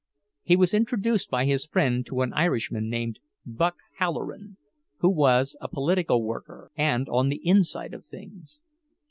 He was introduced by his friend to an Irishman named "Buck" Halloran, who was a political "worker" and on the inside of things.